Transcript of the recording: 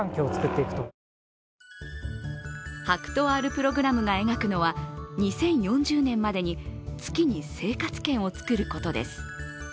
ＨＡＫＵＴＯ−Ｒプログラムが描くのは２０４０年までに月に生活圏をつくることです。